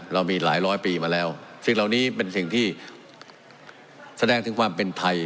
เรามีหลายร้อยปีมาแล้วสิ่งเหล่านี้เป็นสิ่งที่แสดงถึงความเป็นไทย